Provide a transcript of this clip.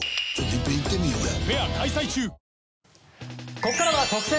ここからは特選！！